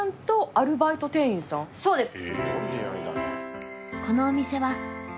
そうです